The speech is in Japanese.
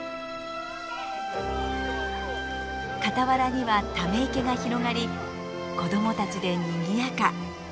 傍らにはため池が広がり子どもたちでにぎやか。